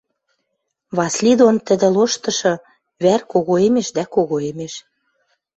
Васли дон тӹдӹ лоштышы вӓр когоэмеш дӓ когоэмеш.